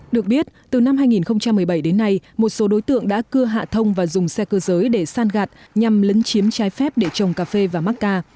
được biết từ năm hai nghìn một mươi bảy đến nay một số đối tượng đã cưa hạ thông và dùng xe cơ giới để san gạt nhằm lấn chiếm trái phép để trồng cà phê và mắc ca